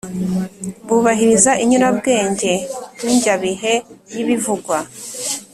, bubahiriza inyurabwenge n’injyabihe y’ibivugwa.